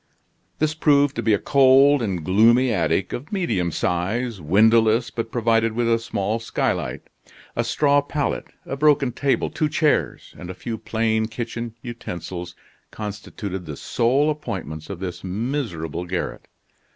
This proved to be a cold and gloomy attic of medium size, windowless, but provided with a small skylight. A straw pallet, a broken table, two chairs, and a few plain kitchen utensils constituted the sole appointments of this miserable garret.